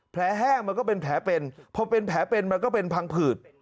แห้งมันก็เป็นแผลเป็นพอเป็นแผลเป็นมันก็เป็นพังผืด